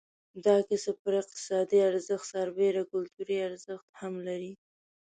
دا کسب پر اقتصادي ارزښت سربېره کلتوري ارزښت هم لري.